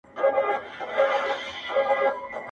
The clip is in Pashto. پېغور دی، جوړ دی، کلی دی له ډاره راوتلي~